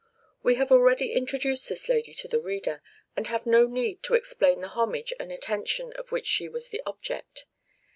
We have already introduced this lady to the reader, and have no need to explain the homage and attention of which she was the object.